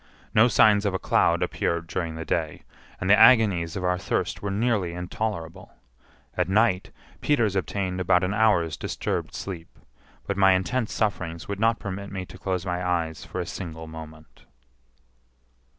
No signs of a cloud appeared during the day, and the agonies of our thirst were nearly intolerable. At night, Peters obtained about an hour's disturbed sleep, but my intense sufferings would not permit me to close my eyes for a single moment.